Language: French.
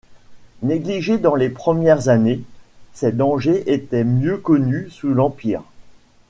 Négligés dans les premières années, ses dangers étaient mieux connus sous l'Empire.